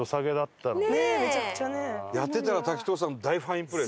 やってたら滝藤さん大ファインプレー。